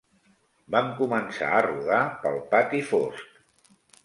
Vam començar a rodar pel pati fosc